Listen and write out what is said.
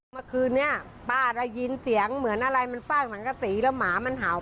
เมื่อคืนนี้ป้าได้ยินเสียงเหมือนอะไรมันฟาดสังกษีแล้วหมามันเห่า